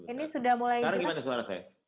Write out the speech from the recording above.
ini sudah mulai jelas